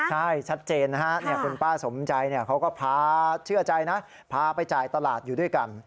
ใช่ชัดเจนนะฮะคุณป้าสมใจเขาก็พาเชื่อใจนะพาไปจ่ายตลาดอยู่ด้วยกัน